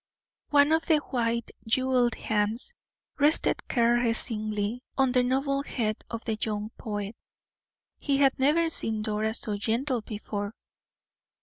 One of the white, jeweled hands rested caressingly on the noble head of the young poet. He had never seen Dora so gentle before.